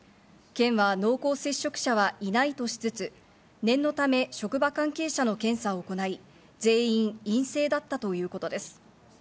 県は濃厚接触者はいないとしつつ、念のため職場関係者の検査を行い、全員陰性だったということです。